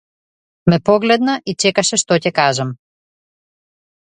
Ме погледна и чекаше што ќе кажам.